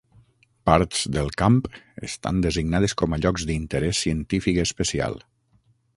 Parts del camp estan designades com a llocs d'interès científic especial.